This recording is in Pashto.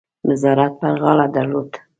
نظارت پر غاړه درلود.